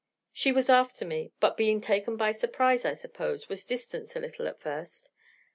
She was after me, but being taken by surprise, I suppose, was distanced a little at first.